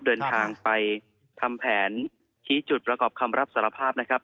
เดินทางไปทำแผนชี้จุดประกอบคำรับสารภาพนะครับ